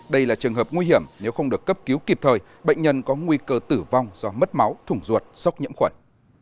đây là trường hợp nguy hiểm nếu không được cấp cứu kịp thời bệnh nhân có nguy cơ tử vong do mất máu thủng ruột sốc nhiễm khuẩn